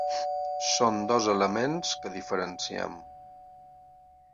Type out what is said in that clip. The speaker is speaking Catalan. Són dos elements que diferenciem.